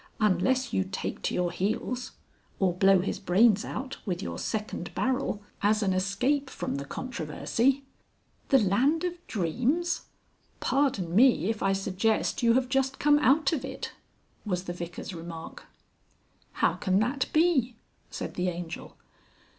Unless you take to your heels. Or blow his brains out with your second barrel as an escape from the controversy. "The Land of Dreams! Pardon me if I suggest you have just come out of it," was the Vicar's remark. "How can that be?" said the Angel.